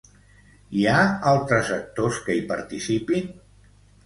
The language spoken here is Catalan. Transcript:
Hi ha altres actors que hi participin?